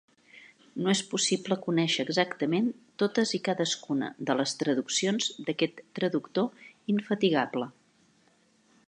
No és possible conèixer exactament totes i cadascuna de les traduccions d'aquest traductor infatigable.